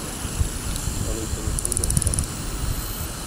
Аның көне кемгә охшар?